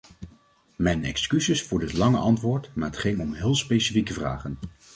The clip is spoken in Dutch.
Mijn excuses voor dit lange antwoord maar het ging om heel specifieke vragen.